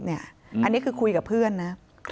อันนี้คือคุยกับเพื่อนนะ